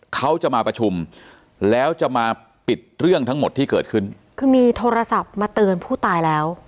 เขาจะมาประชุมแล้วจะมาปิดเรื่องทั้งหมดที่เกิดขึ้นคือมีโทรศัพท์มาเตือนผู้ตายแล้ว